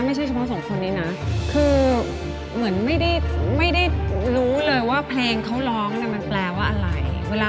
ไม่ใช่เฉพาะสองคนนี้นะ